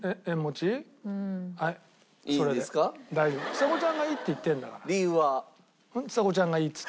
ちさ子ちゃんがいいって言ってるんだから。